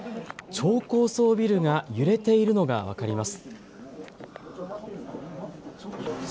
超高層ビルが揺れているのが分かります。